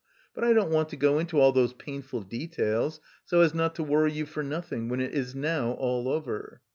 But I don't want to go into all those painful details, so as not to worry you for nothing when it is now all over.